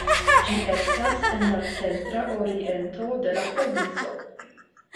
Ĝi estas en la centra oriento de la provinco.